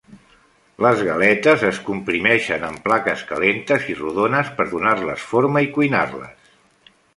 Les galetes es comprimeixen amb plaques calentes i rodones per donar-les forma i cuinar-les.